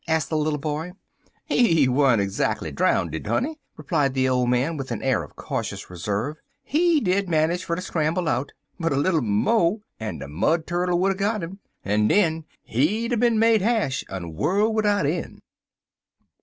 asked the little boy. "He weren't zackly drowndid, honey," replied the old man, With an air of cautious reserve. "He did manage fer ter scramble out, but a little mo' en de Mud Turkle would er got 'im, en den he'd er bin made hash un worl' widout een'."